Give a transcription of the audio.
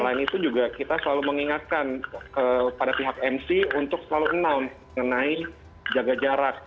selain itu juga kita selalu mengingatkan pada pihak mc untuk selalu announce mengenai jaga jarak